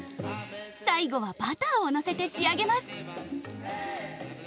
最後はバターをのせて仕上げます。